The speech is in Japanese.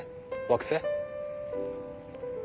惑星？